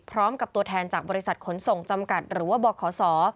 พร้อมกับตัวแทนจากบริษัทขนส่งจำกัดหรือว่าบข